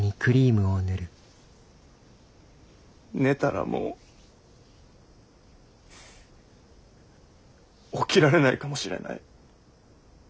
寝たらもう起きられないかもしれない。